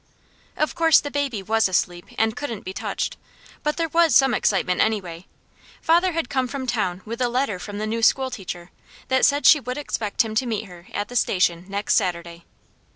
Of course the baby was asleep and couldn't be touched; but there was some excitement, anyway. Father had come from town with a letter from the new school teacher, that said she would expect him to meet her at the station next Saturday.